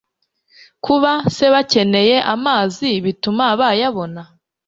kuba se bakeneye amazi bituma bayabona